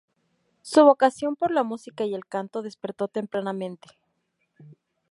Su vocación por la música y el canto despertó tempranamente.